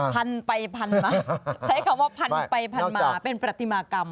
พันไปพันมาใช้คำว่าพันไปพันมาเป็นประติมากรรม